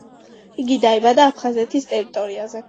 იგი დაიბადა აფხაზეთის ტერიტორიაზე.